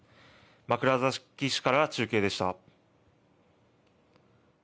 枕崎市から中継でした。